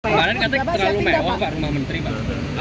kemarin katanya terlalu mewah rumah menteri pak